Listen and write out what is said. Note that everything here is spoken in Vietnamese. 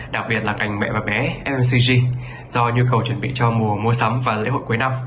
đặc biệt là cành mẹ và bé lcg do nhu cầu chuẩn bị cho mùa mua sắm và lễ hội cuối năm